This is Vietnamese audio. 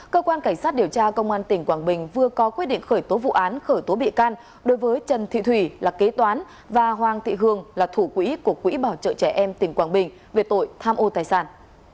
cơ quan cảnh sát điều tra công an tỉnh quảng bình vừa có quyết định khởi tố vụ án khởi tố bị can đối với trần thị thủy là kế toán và hoàng thị hương là thủ quỹ của quỹ bảo trợ trẻ em tỉnh quảng bình về tội tham ô tài sản